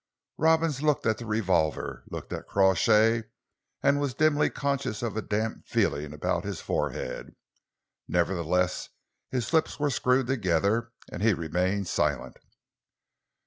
Robins looked at the revolver, looked at Crawshay, and was dimly conscious of a damp feeling about his forehead. Nevertheless, his lips were screwed together, and he remained silent.